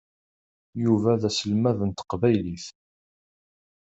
Yuba d aselmad n teqbaylit.